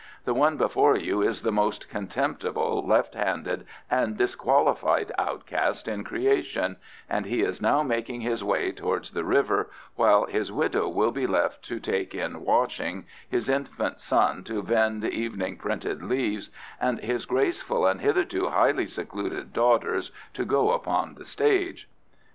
The one before you is the most contemptible, left handed, and disqualified outcast in creation, and he is now making his way towards the river, while his widow will be left to take in washing, his infant son to vend evening printed leaves, and his graceful and hitherto highly secluded daughters to go upon the stage."